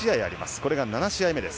これが７試合目です。